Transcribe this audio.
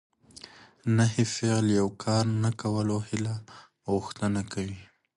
نهي فعل د یو کار نه کولو هیله او غوښتنه کوي.